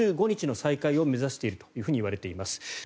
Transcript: １５日の再開を目指しているといわれています。